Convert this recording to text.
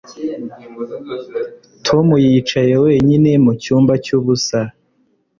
Tom yicaye wenyine mucyumba cyubusa